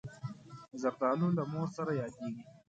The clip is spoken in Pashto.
زردالو له مور سره یادېږي.